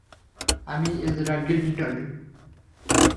আমি Ezra Grindle.